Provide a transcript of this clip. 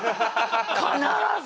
必ず！